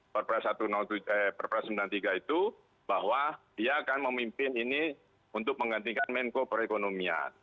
perperat seribu sembilan ratus sembilan puluh tiga itu bahwa dia akan memimpin ini untuk menggantikan menko perekonomian